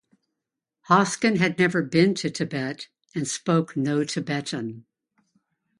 Hoskin had never been to Tibet and spoke no Tibetan.